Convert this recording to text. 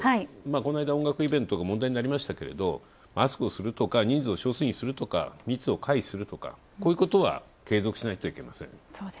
この間、音楽イベントが問題になりましたけどマスクをするとか、人数を少数にするとか、密を回避するとか、こういうことは継続しないといけません。